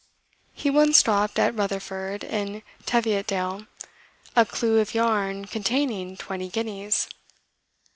He once dropped at Rutherford, in Teviotdale, a clue of yarn containing twenty guineas.